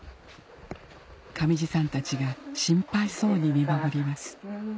上地さんたちが心配そうに見守ります